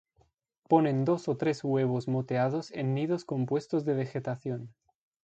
Ponen dos o tres huevos moteados en nidos compuestos de vegetación.